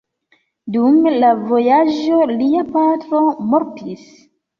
Dum la vojaĝo lia patro mortis.